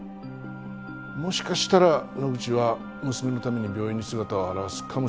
もしかしたら野口は娘のために病院に姿を現すかもしれん。